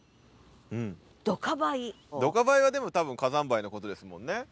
「ドカ灰」はでも多分火山灰のことですもんね。